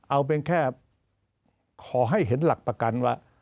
เอาเป็นแค่ขอให้เห็นหลักประกันว่า